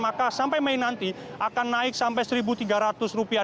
maka sampai mei nanti akan naik sampai rp satu tiga ratus